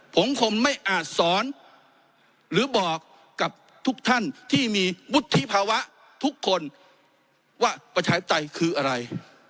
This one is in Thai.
ผมคงไม่อาจสอนหรือบอกกับทุกท่านที่มีวุฒิภาวะทุกคนว่าประชาธิปไตยคืออะไร